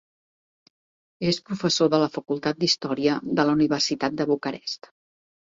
És professor de la Facultat d'Història de la Universitat de Bucarest.